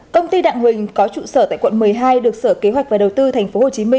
công ty đặng huỳnh có trụ sở tại quận một mươi hai được sở kế hoạch và đầu tư tp hcm